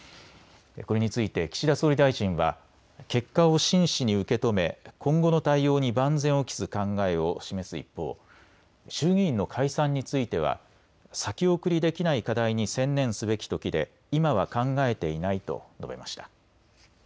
これについて岸田総理大臣は結果を真摯に受け止め今後の対応に万全を期す考えを示す一方、衆議院の解散については先送りできない課題に専念すべきときで今は考えていないと述べました。